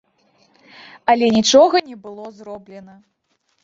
Але нічога не было зроблена.